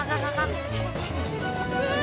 うわ！